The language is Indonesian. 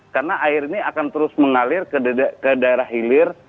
karena air ini akan terus mengalir ke daerah hilir